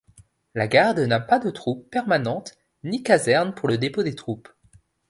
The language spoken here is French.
La Garde n'a pas de troupes permanentes, ni casernes pour le dépôt des troupes.